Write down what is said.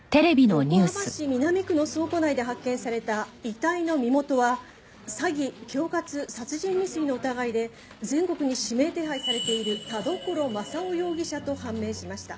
「横浜市南区の倉庫内で発見された遺体の身元は詐欺恐喝殺人未遂の疑いで全国に指名手配されている田所柾雄容疑者と判明しました」